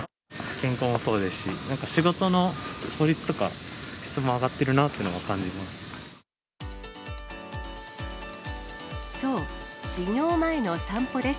健康もそうですし、なんか仕事の効率とか質も上がっているなというのは感じます。